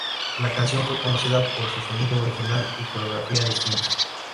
La canción fue conocida por su sonido original y coreografía distintiva.